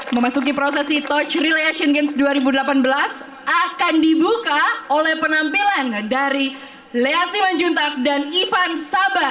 memasuki prosesi touch relay asian games dua ribu delapan belas akan dibuka oleh penampilan dari lea simanjuntak dan ivan saba